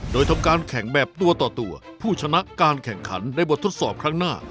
โดยทำการแข่งแบบตัวต่อตัวผู้ชนะการแข่งขันในบททดสอบครั้งหน้า